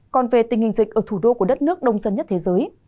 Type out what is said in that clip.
còn về tình hình dịch ở thủ đô của đất nước đông dân nhất thế giới